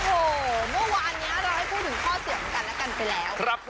โอ้โหเมื่อวานนี้เราให้พูดถึงข้อเสี่ยงของกันและกันไปแล้ว